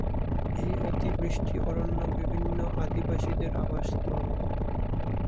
এই অতিবৃষ্টি অরণ্য বিভিন্ন আদিবাসীদের আবাসস্থল।